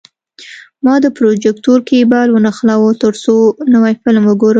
ما د پروجیکتور کیبل ونښلاوه، ترڅو نوی فلم وګورم.